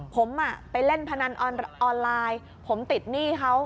ผมไปเล่นพนันออนไลน์ผมติดหนี้เขา